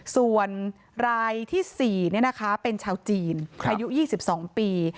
ส่วนรายที่๔เป็นชาวจีนอายุ๒๒ปี